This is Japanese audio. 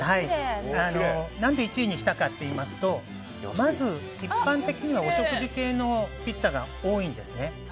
何で１位にしたかといいますとまず、一般的にはお食事系のピッツァが多いんですね。